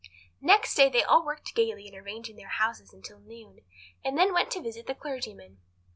Next day they all worked gaily in arranging their houses until noon, and then went to visit the clergyman.